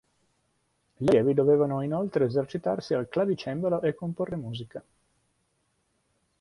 Gli allievi dovevano inoltre esercitarsi al clavicembalo e comporre musica.